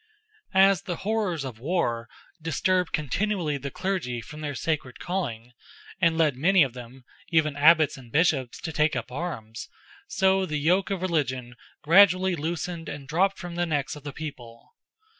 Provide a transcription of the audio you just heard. As the horrors of war disturbed continually the clergy from their sacred calling, and led many of them, even Abbots and Bishops, to take up arms, so the yoke of religion gradually loosened and dropped from the necks of the people.